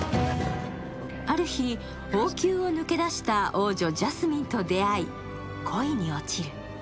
ある日、王宮を抜け出した王女、ジャスミンと出会い恋に落ちる。